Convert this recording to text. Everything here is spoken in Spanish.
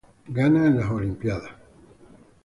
Ghana en las olimpíadas